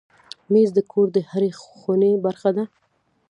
مېز د کور د هرې خونې برخه ده.